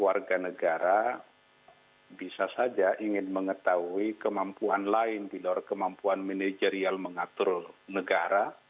warga negara bisa saja ingin mengetahui kemampuan lain di luar kemampuan manajerial mengatur negara